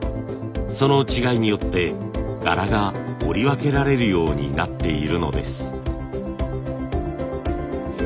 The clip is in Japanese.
その違いによって柄が織り分けられるようになっているのです。